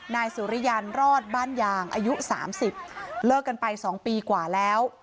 นายสุริยันตร์รอดบ้านยางอายุสามสิบเลิกกันไปสองปีกว่าแล้ว